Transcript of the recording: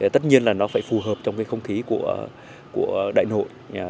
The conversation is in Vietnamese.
tất nhiên là nó phải phù hợp trong không khí của đại nội